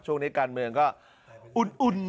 ช่วงนี้การเมืองก็อุ่น